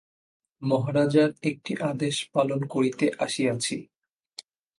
মহারাজার একটি আদেশ পালন করিতে আসিয়াছি।